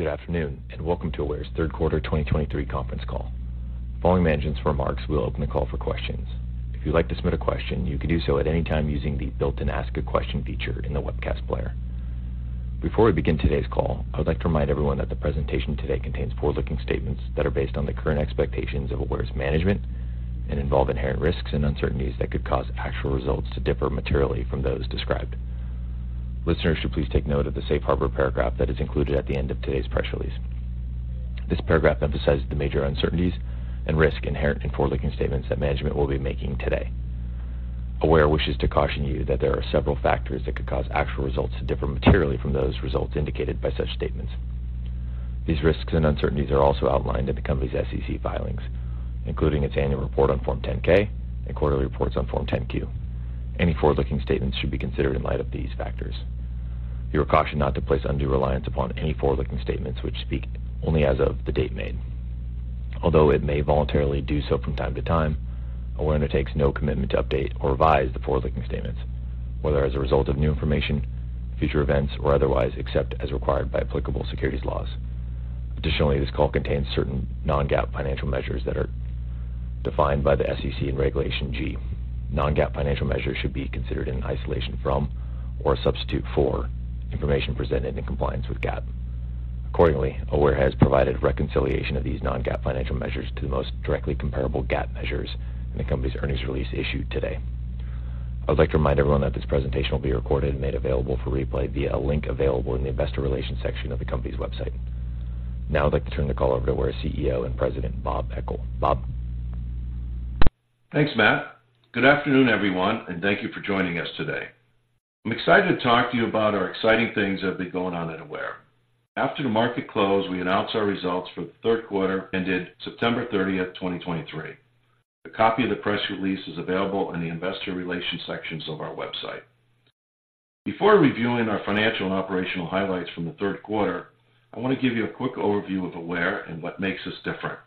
Good afternoon, and welcome to Aware's Q3 2023 Conference Call. Following management's remarks, we'll open the call for questions. If you'd like to submit a question, you can do so at any time using the built-in Ask a Question feature in the webcast player. Before we begin today's call, I would like to remind everyone that the presentation today contains forward-looking statements that are based on the current expectations of Aware's management and involve inherent risks and uncertainties that could cause actual results to differ materially from those described. Listeners should please take note of the safe harbor paragraph that is included at the end of today's press release. This paragraph emphasizes the major uncertainties and risks inherent in forward-looking statements that management will be making today. Aware wishes to caution you that there are several factors that could cause actual results to differ materially from those results indicated by such statements. These risks and uncertainties are also outlined in the company's SEC filings, including its annual report on Form 10-K and quarterly reports on Form 10-Q. Any forward-looking statements should be considered in light of these factors. You are cautioned not to place undue reliance upon any forward-looking statements, which speak only as of the date made. Although it may voluntarily do so from time to time, Aware undertakes no commitment to update or revise the forward-looking statements, whether as a result of new information, future events, or otherwise, except as required by applicable securities laws. Additionally, this call contains certain non-GAAP financial measures that are defined by the SEC in Regulation G. Non-GAAP financial measures should not be considered in isolation from or a substitute for information presented in compliance with GAAP. Accordingly, Aware has provided reconciliation of these non-GAAP financial measures to the most directly comparable GAAP measures in the company's earnings release issued today. I would like to remind everyone that this presentation will be recorded and made available for replay via a link available in the Investor Relations section of the company's website. Now I'd like to turn the call over to Aware's CEO and President, Bob Eckel. Bob? Thanks, Matt. Good afternoon, everyone, and thank you for joining us today. I'm excited to talk to you about our exciting things that have been going on at Aware. After the market closed, we announced our results for the Q3, ended September 30, 2023. A copy of the press release is available in the Investor Relations sections of our website. Before reviewing our financial and operational highlights from the Q3, I want to give you a quick overview of Aware and what makes us different.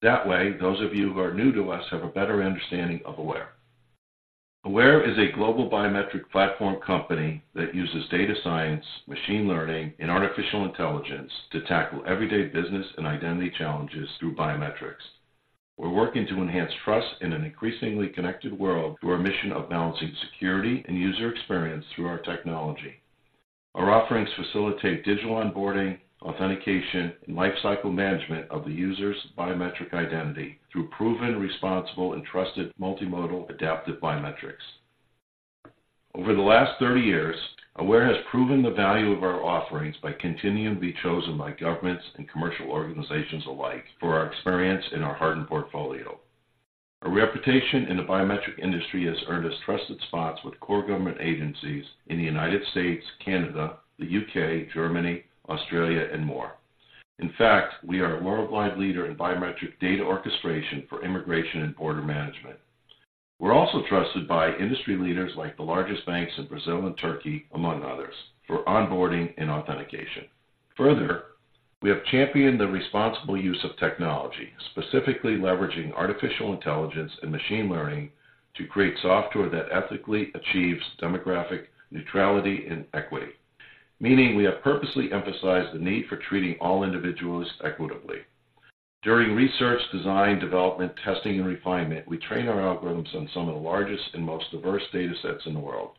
That way, those of you who are new to us have a better understanding of Aware. Aware is a global biometric platform company that uses data science, machine learning, and artificial intelligence to tackle everyday business and identity challenges through biometrics. We're working to enhance trust in an increasingly connected world through our mission of balancing security and user experience through our technology. Our offerings facilitate digital onboarding, authentication, and lifecycle management of the user's biometric identity through proven, responsible, and trusted multimodal adaptive biometrics. Over the last 30 years, Aware has proven the value of our offerings by continuing to be chosen by governments and commercial organizations alike for our experience and our hardened portfolio. Our reputation in the biometric industry has earned us trusted spots with core government agencies in the United States, Canada, the UK, Germany, Australia, and more. In fact, we are a worldwide leader in biometric data orchestration for immigration and border management. We're also trusted by industry leaders like the largest banks in Brazil and Turkey, among others, for onboarding and authentication. Further, we have championed the responsible use of technology, specifically leveraging artificial intelligence and machine learning to create software that ethically achieves demographic neutrality and equity, meaning we have purposely emphasized the need for treating all individuals equitably. During research, design, development, testing, and refinement, we train our algorithms on some of the largest and most diverse datasets in the world.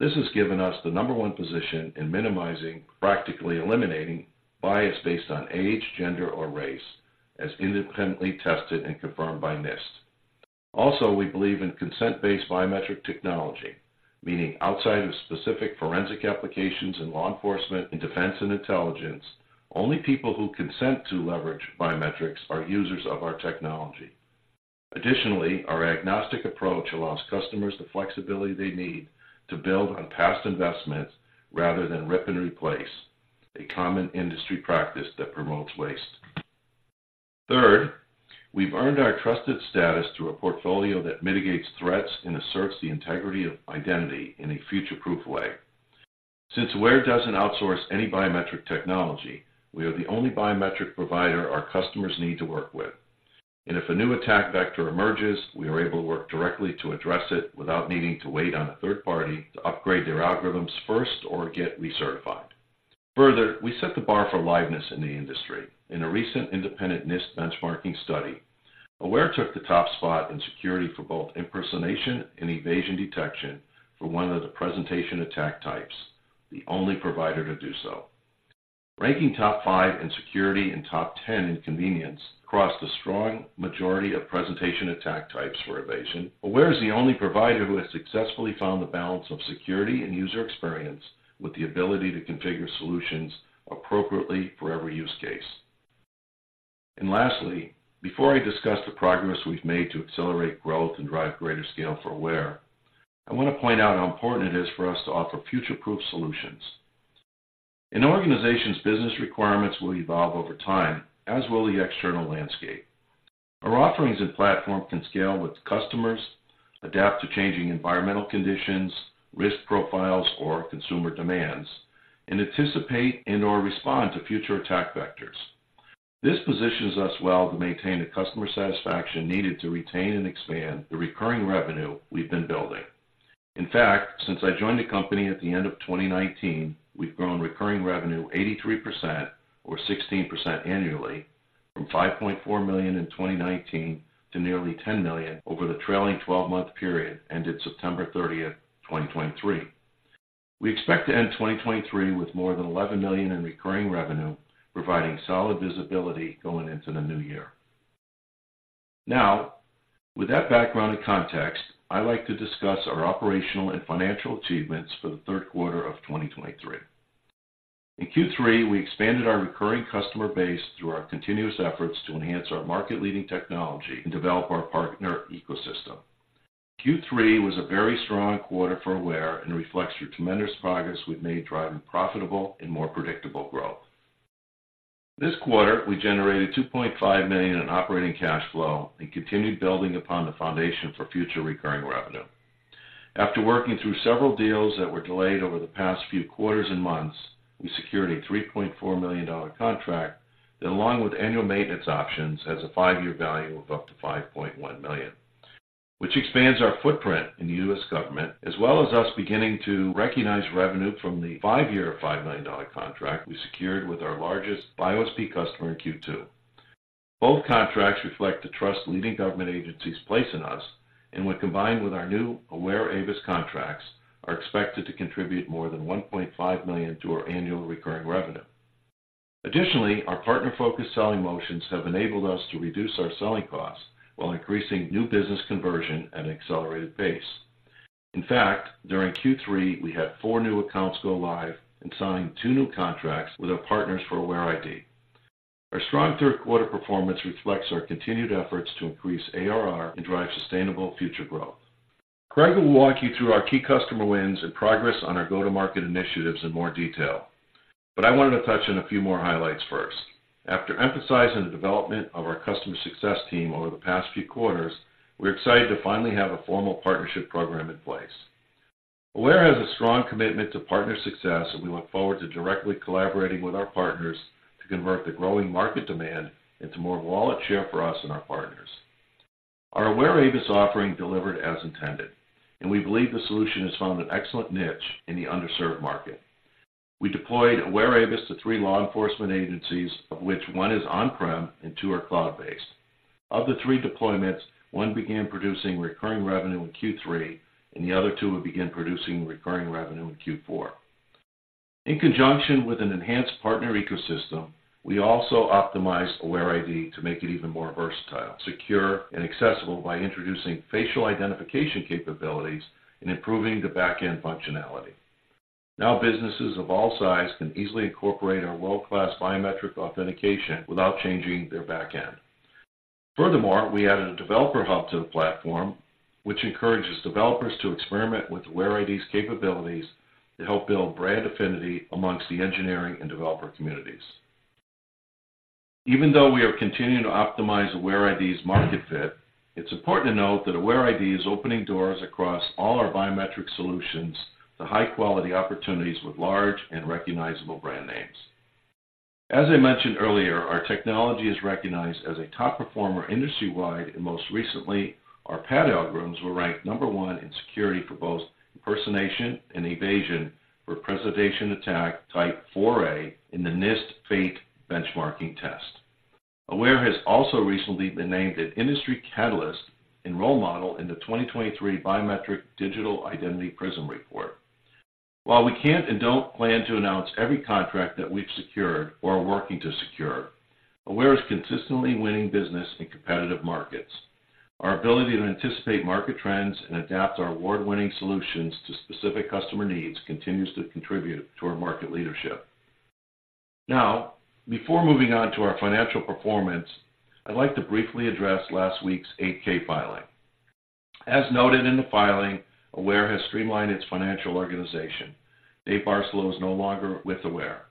This has given us the number one position in minimizing, practically eliminating bias based on age, gender, or race, as independently tested and confirmed by NIST. Also, we believe in consent-based biometric technology, meaning outside of specific forensic applications in law enforcement and defense and intelligence, only people who consent to leverage biometrics are users of our technology. Additionally, our agnostic approach allows customers the flexibility they need to build on past investments rather than rip and replace, a common industry practice that promotes waste. Third, we've earned our trusted status through a portfolio that mitigates threats and asserts the integrity of identity in a future-proof way. Since Aware doesn't outsource any biometric technology, we are the only biometric provider our customers need to work with, and if a new attack vector emerges, we are able to work directly to address it without needing to wait on a third party to upgrade their algorithms first or get recertified. Further, we set the bar for liveness in the industry. In a recent independent NIST benchmarking study, Aware took the top spot in security for both impersonation and evasion detection for one of the presentation attack types, the only provider to do so. Ranking top five in security and top ten in convenience across the strong majority of presentation attack types for evasion, Aware is the only provider who has successfully found the balance of security and user experience with the ability to configure solutions appropriately for every use case. And lastly, before I discuss the progress we've made to accelerate growth and drive greater scale for Aware, I want to point out how important it is for us to offer future-proof solutions. An organization's business requirements will evolve over time, as will the external landscape. Our offerings and platform can scale with customers, adapt to changing environmental conditions, risk profiles, or consumer demands, and anticipate and/or respond to future attack vectors.... This positions us well to maintain the customer satisfaction needed to retain and expand the recurring revenue we've been building. In fact, since I joined the company at the end of 2019, we've grown recurring revenue 83% or 16% annually, from $5.4 million in 2019 to nearly $10 million over the trailing twelve-month period, ended September 30, 2023. We expect to end 2023 with more than $11 million in recurring revenue, providing solid visibility going into the new year. Now, with that background and context, I'd like to discuss our operational and financial achievements for the Q3 of 2023. In Q3, we expanded our recurring customer base through our continuous efforts to enhance our market-leading technology and develop our partner ecosystem. Q3 was a very strong quarter for Aware and reflects the tremendous progress we've made driving profitable and more predictable growth. This quarter, we generated $2.5 million in operating cash flow and continued building upon the foundation for future recurring revenue. After working through several deals that were delayed over the past few quarters and months, we secured a $3.4 million contract, that along with annual maintenance options, has a five-year value of up to $5.1 million, which expands our footprint in the U.S. government, as well as us beginning to recognize revenue from the five-year, $5 million contract we secured with our largest BioSP customer in Q2. Both contracts reflect the trust leading government agencies place in us, and when combined with our new AwareABIS contracts, are expected to contribute more than $1.5 million to our annual recurring revenue. Additionally, our partner-focused selling motions have enabled us to reduce our selling costs while increasing new business conversion at an accelerated pace. In fact, during Q3, we had four new accounts go live and signed two new contracts with our partners for AwareID. Our strong Q3 performance reflects our continued efforts to increase ARR and drive sustainable future growth. Craig will walk you through our key customer wins and progress on our go-to-market initiatives in more detail, but I wanted to touch on a few more highlights first. After emphasizing the development of our customer success team over the past few quarters, we're excited to finally have a formal partnership program in place. Aware has a strong commitment to partner success, and we look forward to directly collaborating with our partners to convert the growing market demand into more wallet share for us and our partners. Our AwareABIS offering delivered as intended, and we believe the solution has found an excellent niche in the underserved market. We deployed AwareABIS to three law enforcement agencies, of which one is on-prem and two are cloud-based. Of the three deployments, one began producing recurring revenue in Q3, and the other two will begin producing recurring revenue in Q4. In conjunction with an enhanced partner ecosystem, we also optimized AwareID to make it even more versatile, secure, and accessible by introducing facial identification capabilities and improving the back-end functionality. Now, businesses of all sizes can easily incorporate our world-class biometric authentication without changing their back end. Furthermore, we added a developer hub to the platform, which encourages developers to experiment with AwareID's capabilities to help build brand affinity among the engineering and developer communities. Even though we are continuing to optimize AwareID's market fit, it's important to note that AwareID is opening doors across all our biometric solutions to high-quality opportunities with large and recognizable brand names. As I mentioned earlier, our technology is recognized as a top performer industry-wide, and most recently, our PAD algorithms were ranked number 1 in security for both impersonation and evasion for presentation attack type 4A in the NIST FATE benchmarking test. Aware has also recently been named an industry catalyst and role model in the 2023 Biometric Digital Identity Prism Report. While we can't and don't plan to announce every contract that we've secured or are working to secure, Aware is consistently winning business in competitive markets. Our ability to anticipate market trends and adapt our award-winning solutions to specific customer needs continues to contribute to our market leadership. Now, before moving on to our financial performance, I'd like to briefly address last week's 8-K filing. As noted in the filing, Aware has streamlined its financial organization. Dave Barcelo is no longer with Aware.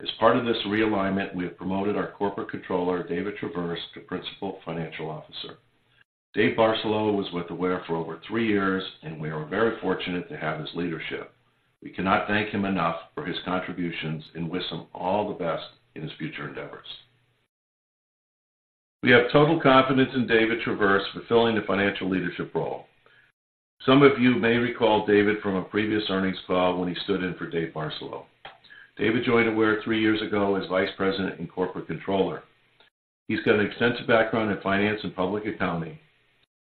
As part of this realignment, we have promoted our corporate controller, David Travers, to Principal Financial Officer. Dave Barcelo was with Aware for over three years, and we are very fortunate to have his leadership. We cannot thank him enough for his contributions and wish him all the best in his future endeavors. We have total confidence in David Travers fulfilling the financial leadership role. Some of you may recall David from a previous earnings call when he stood in for Dave Barcelo. David joined Aware three years ago as Vice President and Corporate Controller. He's got an extensive background in finance and public accounting.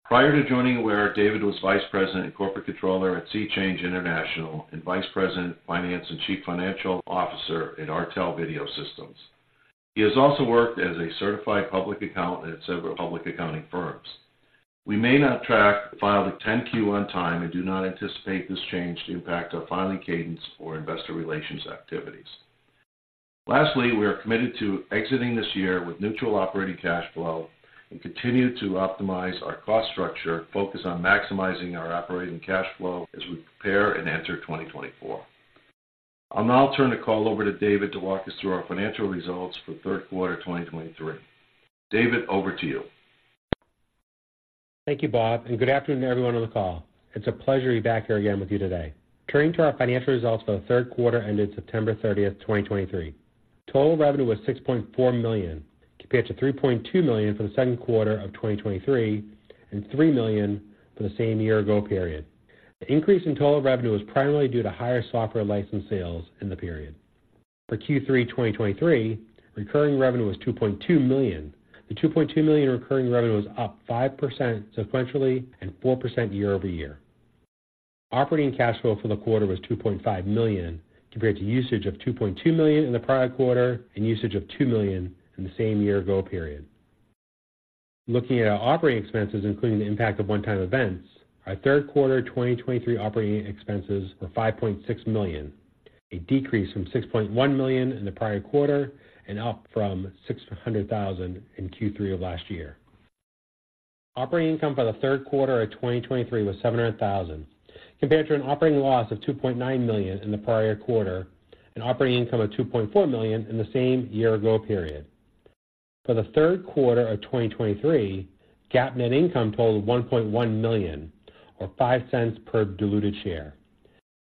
Prior to joining Aware, David was Vice President and Corporate Controller at SeaChange International, and Vice President, Finance, and Chief Financial Officer at Artel Video Systems. He has also worked as a certified public accountant at several public accounting firms. We may not file the 10-Q on time and do not anticipate this change to impact our filing cadence or investor relations activities. Lastly, we are committed to exiting this year with neutral operating cash flow and continue to optimize our cost structure, focused on maximizing our operating cash flow as we prepare and enter 2024. I'll now turn the call over to David to walk us through our financial results for Q3 2023. David, over to you. Thank you, Bob, and good afternoon to everyone on the call. It's a pleasure to be back here again with you today. Turning to our financial results for the Q3 ended September 30, 2023. Total revenue was $6.4 million, compared to $3.2 million for the Q2 of 2023, and $3 million for the same year ago period. The increase in total revenue was primarily due to higher software license sales in the period. For Q3 2023, recurring revenue was $2.2 million. The $2.2 million in recurring revenue was up 5% sequentially and 4% year over year. Operating cash flow for the quarter was $2.5 million, compared to usage of $2.2 million in the prior quarter and usage of $2 million in the same year ago period. Looking at our operating expenses, including the impact of one-time events, our Q3 2023 operating expenses were $5.6 million, a decrease from $6.1 million in the prior quarter and up from $600,000 in Q3 of last year. Operating income for the Q3 of 2023 was $700,000, compared to an operating loss of $2.9 million in the prior quarter and operating income of $2.4 million in the same year-ago period. For the Q3 of 2023, GAAP net income totaled $1.1 million, or $0.05 per diluted share,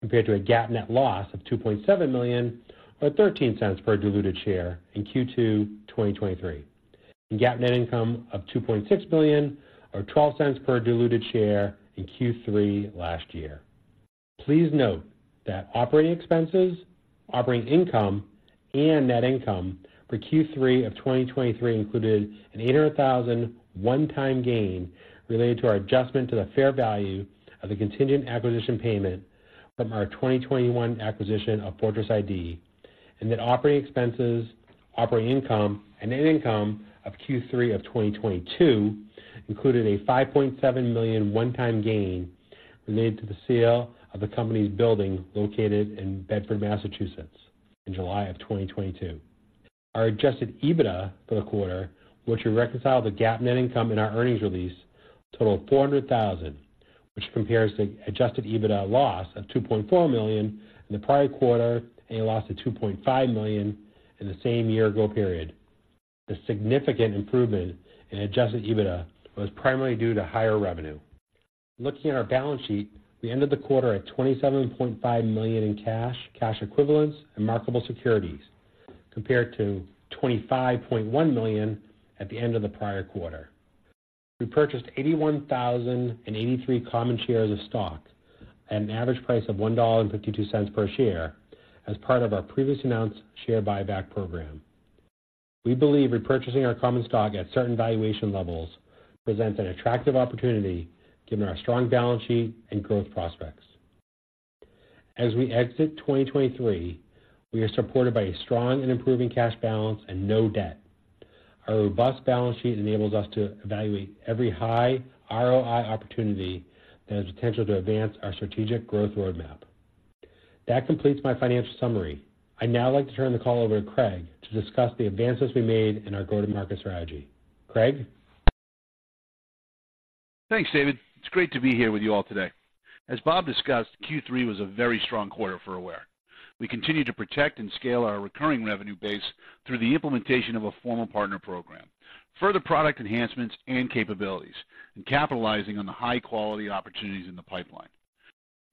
compared to a GAAP net loss of $2.7 million, or $0.13 per diluted share in Q2 2023, and GAAP net income of $2.6 million, or $0.12 per diluted share in Q3 last year. Please note that operating expenses, operating income, and net income for Q3 of 2023 included an $800,000 one-time gain related to our adjustment to the fair value of the contingent acquisition payment from our 2021 acquisition of Fortress ID, and that operating expenses, operating income, and net income of Q3 of 2022 included a $5.7 million one-time gain related to the sale of the company's building, located in Bedford, Massachusetts, in July of 2022. Our adjusted EBITDA for the quarter, which we reconcile the GAAP net income in our earnings release, totaled $400,000, which compares to adjusted EBITDA loss of $2.4 million in the prior quarter and a loss of $2.5 million in the same year-ago period. The significant improvement in adjusted EBITDA was primarily due to higher revenue. Looking at our balance sheet, we ended the quarter at $27.5 million in cash, cash equivalents, and marketable securities, compared to $25.1 million at the end of the prior quarter. We purchased 81,083 common shares of stock at an average price of $1.52 per share as part of our previously announced share buyback program. We believe repurchasing our common stock at certain valuation levels presents an attractive opportunity, given our strong balance sheet and growth prospects. As we exit 2023, we are supported by a strong and improving cash balance and no debt. Our robust balance sheet enables us to evaluate every high ROI opportunity that has potential to advance our strategic growth roadmap. That completes my financial summary. I'd now like to turn the call over to Craig to discuss the advances we made in our go-to-market strategy. Craig? Thanks, David. It's great to be here with you all today. As Bob discussed, Q3 was a very strong quarter for Aware. We continued to protect and scale our recurring revenue base through the implementation of a formal partner program, further product enhancements and capabilities, and capitalizing on the high-quality opportunities in the pipeline.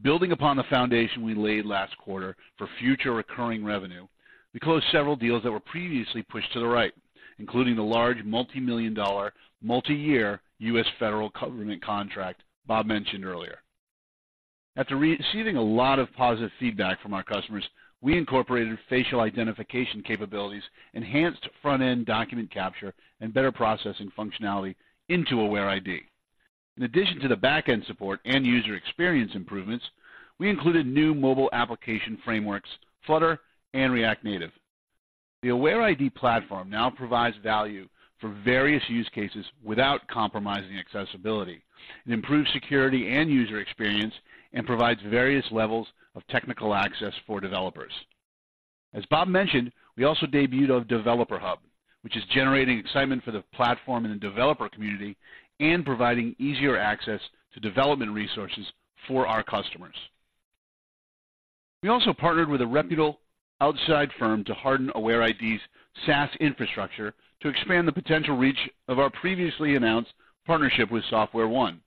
Building upon the foundation we laid last quarter for future recurring revenue, we closed several deals that were previously pushed to the right, including the large multi-million-dollar, multi-year U.S. federal government contract Bob mentioned earlier. After receiving a lot of positive feedback from our customers, we incorporated facial identification capabilities, enhanced front-end document capture, and better processing functionality into AwareID. In addition to the back-end support and user experience improvements, we included new mobile application frameworks, Flutter and React Native. The AwareID platform now provides value for various use cases without compromising accessibility. It improves security and user experience and provides various levels of technical access for developers. As Bob mentioned, we also debuted a developer hub, which is generating excitement for the platform and the developer community and providing easier access to development resources for our customers. We also partnered with a reputable outside firm to harden AwareID's SaaS infrastructure to expand the potential reach of our previously announced partnership with SoftwareOne.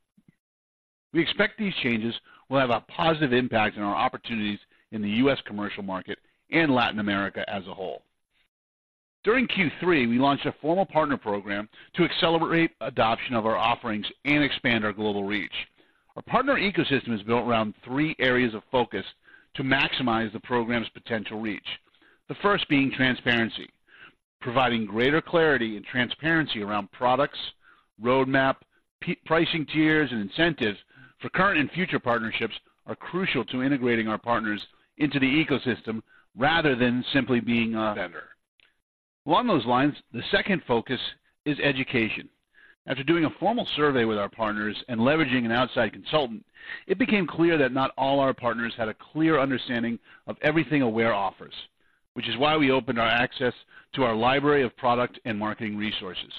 We expect these changes will have a positive impact on our opportunities in the U.S. commercial market and Latin America as a whole. During Q3, we launched a formal partner program to accelerate adoption of our offerings and expand our global reach. Our partner ecosystem is built around three areas of focus to maximize the program's potential reach. The first being transparency. Providing greater clarity and transparency around products, roadmap, pricing tiers, and incentives for current and future partnerships are crucial to integrating our partners into the ecosystem rather than simply being a vendor. Along those lines, the second focus is education. After doing a formal survey with our partners and leveraging an outside consultant, it became clear that not all our partners had a clear understanding of everything Aware offers, which is why we opened our access to our library of product and marketing resources.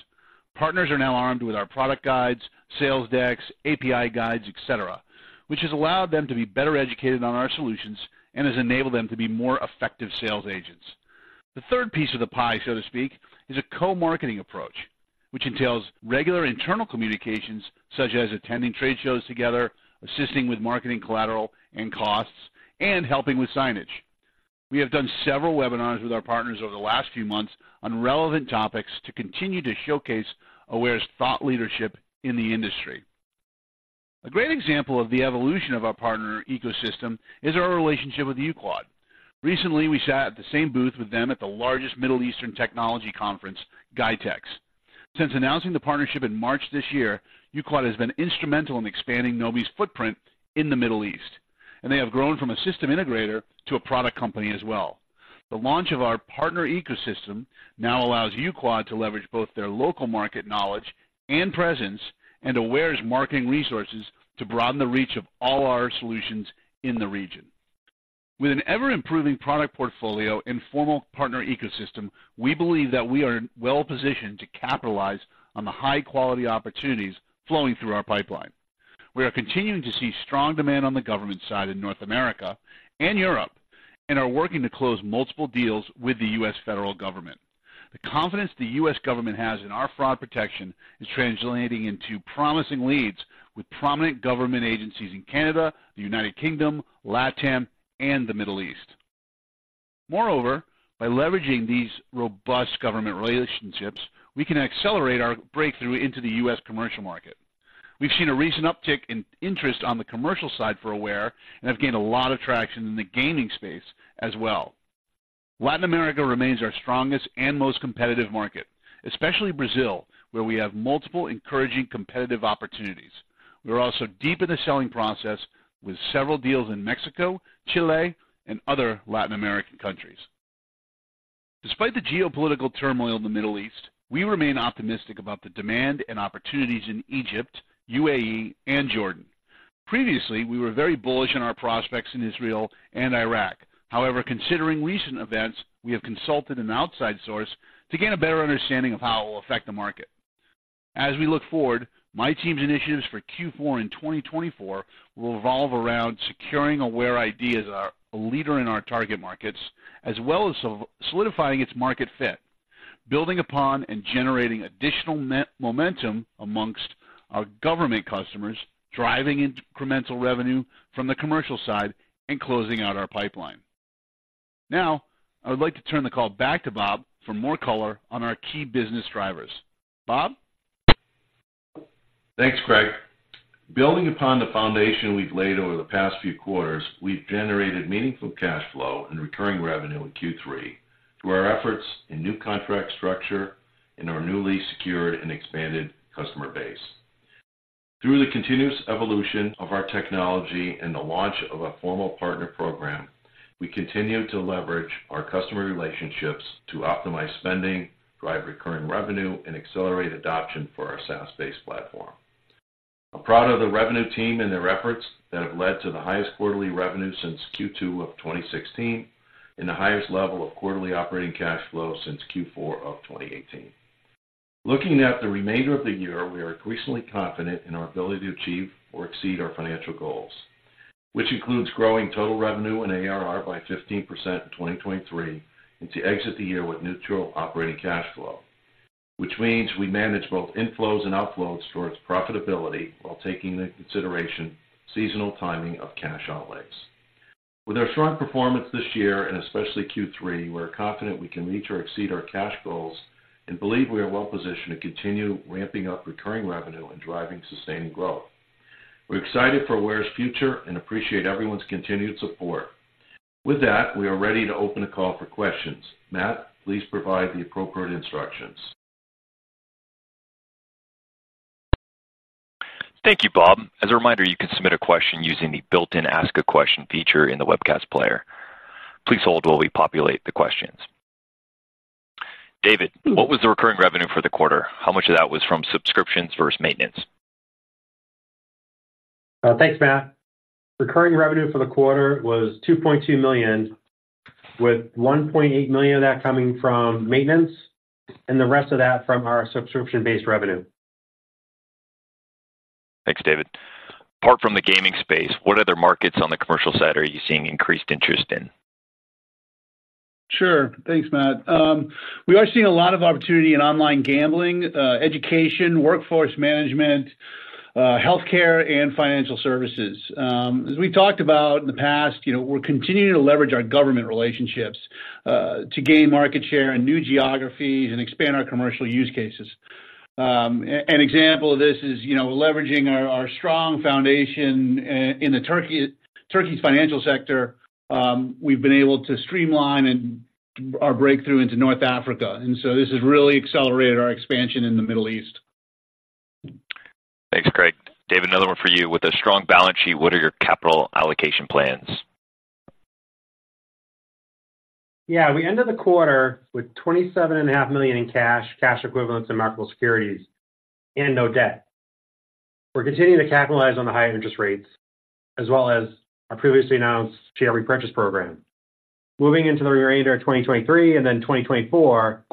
Partners are now armed with our product guides, sales decks, API guides, et cetera, which has allowed them to be better educated on our solutions and has enabled them to be more effective sales agents. The third piece of the pie, so to speak, is a co-marketing approach.... which entails regular internal communications, such as attending trade shows together, assisting with marketing collateral and costs, and helping with signage. We have done several webinars with our partners over the last few months on relevant topics to continue to showcase Aware's thought leadership in the industry. A great example of the evolution of our partner ecosystem is our relationship with uqudo. Recently, we sat at the same booth with them at the largest Middle Eastern technology conference, GITEX. Since announcing the partnership in March this year, uqudo has been instrumental in expanding Knomi's footprint in the Middle East, and they have grown from a system integrator to a product company as well. The launch of our partner ecosystem now allows uqudo to leverage both their local market knowledge and presence and Aware's marketing resources to broaden the reach of all our solutions in the region. With an ever-improving product portfolio and formal partner ecosystem, we believe that we are well positioned to capitalize on the high-quality opportunities flowing through our pipeline. We are continuing to see strong demand on the government side in North America and Europe, and are working to close multiple deals with the U.S. federal government. The confidence the U.S. government has in our fraud protection is translating into promising leads with prominent government agencies in Canada, the United Kingdom, LATAM, and the Middle East. Moreover, by leveraging these robust government relationships, we can accelerate our breakthrough into the U.S. commercial market. We've seen a recent uptick in interest on the commercial side for Aware and have gained a lot of traction in the gaming space as well. Latin America remains our strongest and most competitive market, especially Brazil, where we have multiple encouraging competitive opportunities. We are also deep in the selling process with several deals in Mexico, Chile, and other Latin American countries. Despite the geopolitical turmoil in the Middle East, we remain optimistic about the demand and opportunities in Egypt, UAE, and Jordan. Previously, we were very bullish on our prospects in Israel and Iraq. However, considering recent events, we have consulted an outside source to gain a better understanding of how it will affect the market. As we look forward, my team's initiatives for Q4 in 2024 will revolve around securing AwareID as our, a leader in our target markets, as well as solidifying its market fit, building upon and generating additional net momentum amongst our government customers, driving incremental revenue from the commercial side, and closing out our pipeline. Now, I would like to turn the call back to Bob for more color on our key business drivers. Bob? Thanks, Craig. Building upon the foundation we've laid over the past few quarters, we've generated meaningful cash flow and recurring revenue in Q3 through our efforts in new contract structure and our newly secured and expanded customer base. Through the continuous evolution of our technology and the launch of a formal partner program, we continue to leverage our customer relationships to optimize spending, drive recurring revenue, and accelerate adoption for our SaaS-based platform. I'm proud of the revenue team and their efforts that have led to the highest quarterly revenue since Q2 of 2016, and the highest level of quarterly operating cash flow since Q4 of 2018. Looking at the remainder of the year, we are increasingly confident in our ability to achieve or exceed our financial goals, which includes growing total revenue and ARR by 15% in 2023, and to exit the year with neutral operating cash flow, which means we manage both inflows and outflows towards profitability while taking into consideration seasonal timing of cash outlets. With our strong performance this year, and especially Q3, we're confident we can meet or exceed our cash goals and believe we are well positioned to continue ramping up recurring revenue and driving sustained growth. We're excited for Aware's future and appreciate everyone's continued support. With that, we are ready to open the call for questions. Matt, please provide the appropriate instructions. Thank you, Bob. As a reminder, you can submit a question using the built-in Ask a Question feature in the webcast player. Please hold while we populate the questions. David, what was the recurring revenue for the quarter? How much of that was from subscriptions versus maintenance? Thanks, Matt. Recurring revenue for the quarter was $2.2 million, with $1.8 million of that coming from maintenance and the rest of that from our subscription-based revenue. Thanks, David. Apart from the gaming space, what other markets on the commercial side are you seeing increased interest in? Sure. Thanks, Matt. We are seeing a lot of opportunity in online gambling, education, workforce management, healthcare, and financial services. As we've talked about in the past, you know, we're continuing to leverage our government relationships, to gain market share in new geographies and expand our commercial use cases. An example of this is, you know, leveraging our, our strong foundation in Turkey, Turkey's financial sector, we've been able to streamline and our breakthrough into North Africa, and so this has really accelerated our expansion in the Middle East. Thanks, Craig. David, another one for you. With a strong balance sheet, what are your capital allocation plans? Yeah, we ended the quarter with $27.5 million in cash, cash equivalents, and marketable securities, and no debt. We're continuing to capitalize on the higher interest rates, as well as our previously announced share repurchase program. Moving into the remainder of 2023 and then 2024,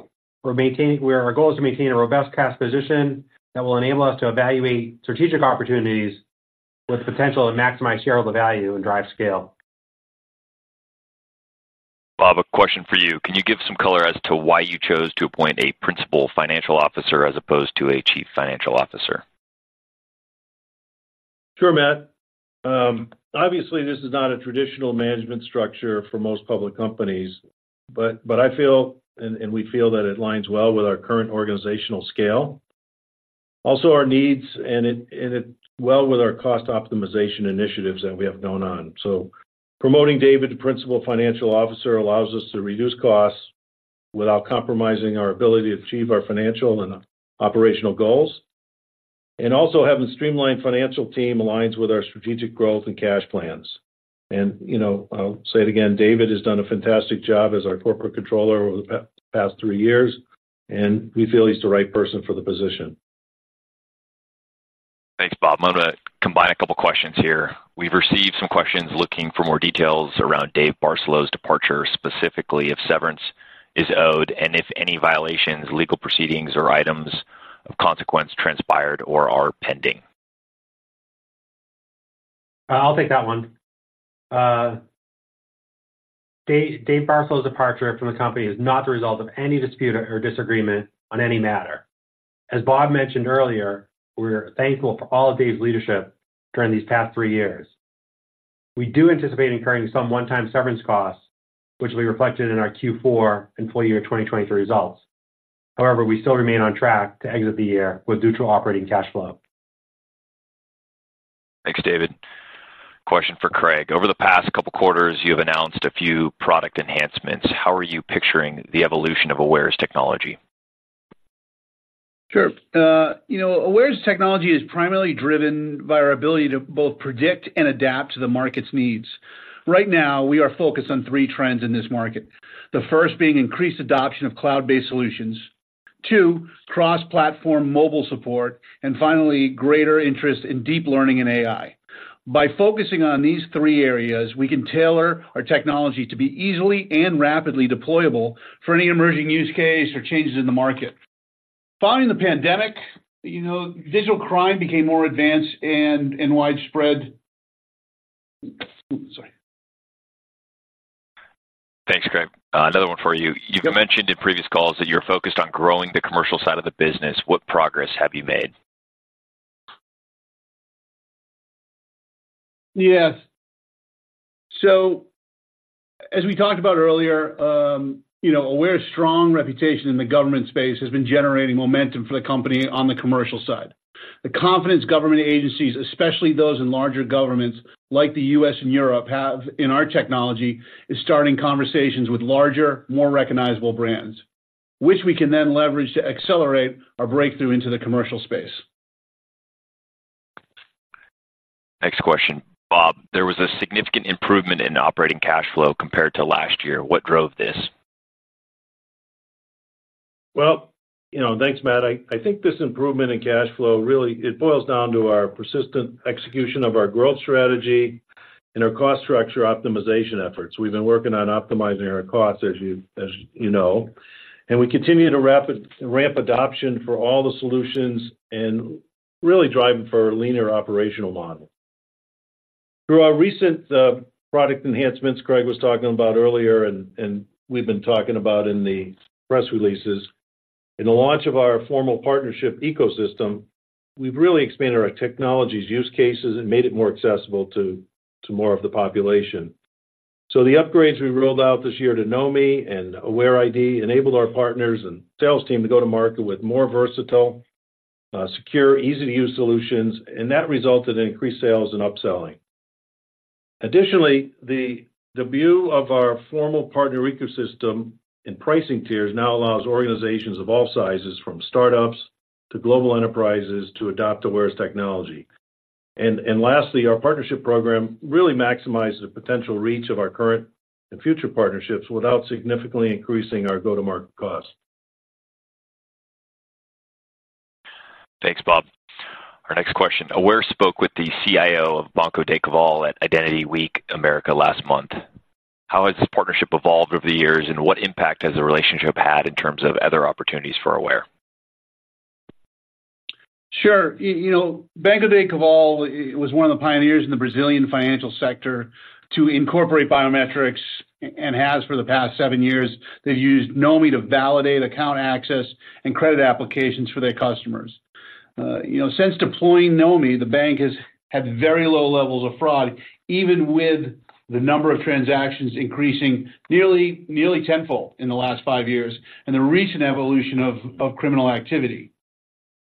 we're maintaining... Well, our goal is to maintain a robust cash position that will enable us to evaluate strategic opportunities with the potential to maximize shareholder value and drive scale. ... Bob, a question for you: Can you give some color as to why you chose to appoint a Principal Financial Officer as opposed to a Chief Financial Officer? Sure, Matt. Obviously, this is not a traditional management structure for most public companies, but, but I feel, and, and we feel that it aligns well with our current organizational scale. Also our needs, and it, and it well with our cost optimization initiatives that we have going on. So promoting David to Principal Financial Officer allows us to reduce costs without compromising our ability to achieve our financial and operational goals. And also having a streamlined financial team aligns with our strategic growth and cash plans. And, you know, I'll say it again, David has done a fantastic job as our Corporate Controller over the past three years, and we feel he's the right person for the position. Thanks, Bob. I'm gonna combine a couple questions here. We've received some questions looking for more details around Dave Barcelo's departure, specifically if severance is owed, and if any violations, legal proceedings, or items of consequence transpired or are pending. I'll take that one. Dave, Dave Barcelo's departure from the company is not the result of any dispute or disagreement on any matter. As Bob mentioned earlier, we're thankful for all of Dave's leadership during these past three years. We do anticipate incurring some one-time severance costs, which will be reflected in our Q4 and full year 2023 results. However, we still remain on track to exit the year with neutral operating cash flow. Thanks, David. Question for Craig. Over the past couple quarters, you have announced a few product enhancements. How are you picturing the evolution of Aware's technology? Sure. You know, Aware's technology is primarily driven by our ability to both predict and adapt to the market's needs. Right now, we are focused on three trends in this market. The first being increased adoption of cloud-based solutions, two, cross-platform mobile support, and finally, greater interest in deep learning and AI. By focusing on these three areas, we can tailor our technology to be easily and rapidly deployable for any emerging use case or changes in the market. Following the pandemic, you know, digital crime became more advanced and widespread. Sorry. Thanks, Craig. Another one for you. Yep. You've mentioned in previous calls that you're focused on growing the commercial side of the business. What progress have you made? Yes. So as we talked about earlier, you know, Aware's strong reputation in the government space has been generating momentum for the company on the commercial side. The confidence government agencies, especially those in larger governments like the U.S. and Europe, have in our technology, is starting conversations with larger, more recognizable brands, which we can then leverage to accelerate our breakthrough into the commercial space. Next question. Bob, there was a significant improvement in operating cash flow compared to last year. What drove this? Well, you know, thanks, Matt. I think this improvement in cash flow really boils down to our persistent execution of our growth strategy and our cost structure optimization efforts. We've been working on optimizing our costs, as you know, and we continue to ramp adoption for all the solutions and really driving for a leaner operational model. Through our recent product enhancements Craig was talking about earlier, and we've been talking about in the press releases. In the launch of our formal partnership ecosystem, we've really expanded our technology's use cases and made it more accessible to more of the population. So the upgrades we rolled out this year to Knomi and AwareID enabled our partners and sales team to go to market with more versatile, secure, easy-to-use solutions, and that resulted in increased sales and upselling. Additionally, the debut of our formal partner ecosystem and pricing tiers now allows organizations of all sizes, from startups to global enterprises, to adopt Aware's technology. And lastly, our partnership program really maximizes the potential reach of our current and future partnerships without significantly increasing our go-to-market cost. Thanks, Bob. Our next question: Aware spoke with the CIO of Banco Daycoval at Identity Week America last month. How has this partnership evolved over the years, and what impact has the relationship had in terms of other opportunities for Aware? Sure. You know, Banco Daycoval was one of the pioneers in the Brazilian financial sector to incorporate biometrics, and has for the past seven years. They've used Knomi to validate account access and credit applications for their customers. You know, since deploying Knomi, the bank has had very low levels of fraud, even with the number of transactions increasing nearly tenfold in the last five years and the recent evolution of criminal activity.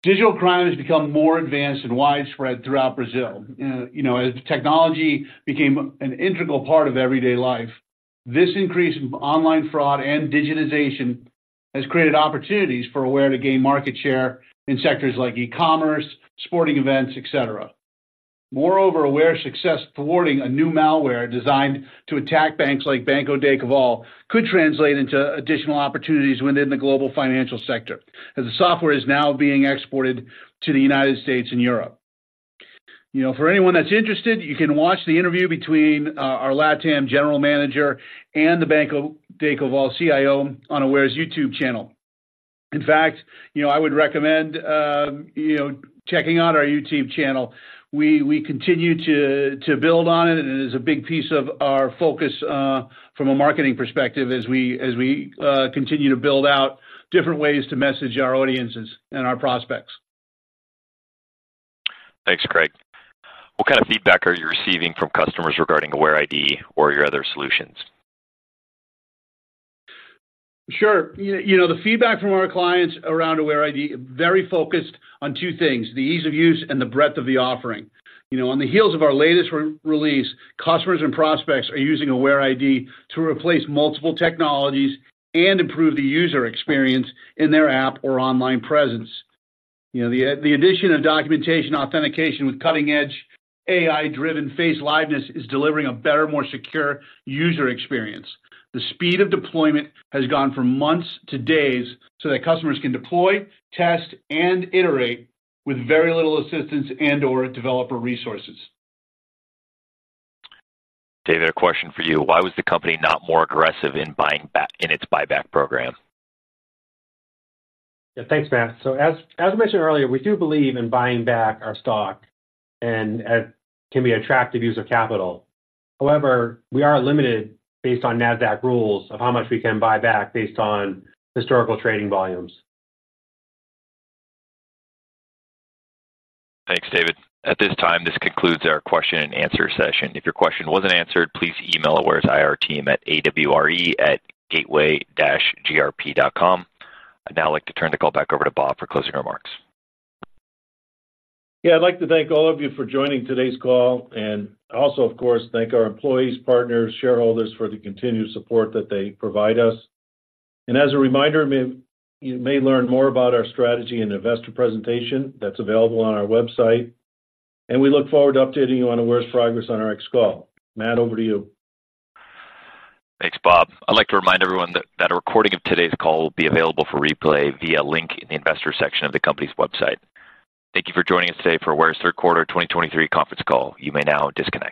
Digital crime has become more advanced and widespread throughout Brazil. You know, as technology became an integral part of everyday life, this increase in online fraud and digitization has created opportunities for Aware to gain market share in sectors like e-commerce, sporting events, et cetera. Moreover, Aware's success thwarting a new malware designed to attack banks like Banco Daycoval could translate into additional opportunities within the global financial sector, as the software is now being exported to the United States and Europe. You know, for anyone that's interested, you can watch the interview between our LATAM general manager and the Banco Daycoval CIO on Aware's YouTube channel. In fact, you know, I would recommend you know checking out our YouTube channel. We continue to build on it, and it is a big piece of our focus from a marketing perspective as we continue to build out different ways to message our audiences and our prospects. Thanks, Craig. What kind of feedback are you receiving from customers regarding AwareID or your other solutions? Sure. You know, the feedback from our clients around AwareID, very focused on two things: the ease of use and the breadth of the offering. You know, on the heels of our latest re-release, customers and prospects are using AwareID to replace multiple technologies and improve the user experience in their app or online presence. You know, the addition of documentation authentication with cutting-edge AI-driven face liveness is delivering a better, more secure user experience. The speed of deployment has gone from months to days, so that customers can deploy, test, and iterate with very little assistance and/or developer resources. David, a question for you. Why was the company not more aggressive in buying back in its buyback program? Yeah, thanks, Matt. So as I mentioned earlier, we do believe in buying back our stock, and can be an attractive use of capital. However, we are limited based on Nasdaq rules of how much we can buy back based on historical trading volumes. Thanks, David. At this time, this concludes our question and answer session. If your question wasn't answered, please email Aware's IR team at awre@gateway-grp.com. I'd now like to turn the call back over to Bob for closing remarks. Yeah, I'd like to thank all of you for joining today's call, and also, of course, thank our employees, partners, shareholders for the continued support that they provide us. And as a reminder, you may, you may learn more about our strategy and investor presentation that's available on our website, and we look forward to updating you on Aware's progress on our next call. Matt, over to you. Thanks, Bob. I'd like to remind everyone that a recording of today's call will be available for replay via link in the investor section of the company's website. Thank you for joining us today for Aware's Q3 2023 conference call. You may now disconnect.